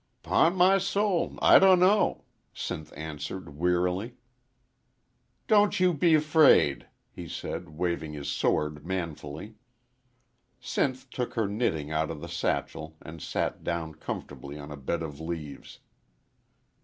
"Pon my soul, I dunno," Sinth answered, wearily. "Don't you be 'fraid," he said, waving his sword manfully. Sinth took her knitting out of the satchel and sat down comfortably on a bed of leaves.